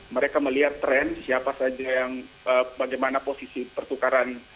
mereka melihat tren siapa saja yang bagaimana posisi pertukaran